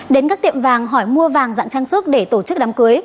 đến các tiệm vàng hỏi mua vàng dạng trang sức